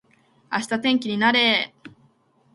明日天気になれー